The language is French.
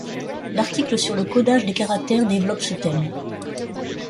L'article sur le codage des caractères développe ce thème.